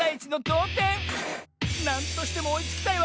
なんとしてもおいつきたいわ！